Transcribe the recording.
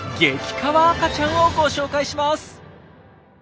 カワ赤ちゃんをご紹介します！